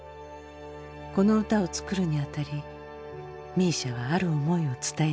この歌を作るにあたりＭＩＳＩＡはある思いを伝えていました。